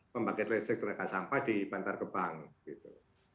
membangkit listrik reka sampah di pantar kebang gitu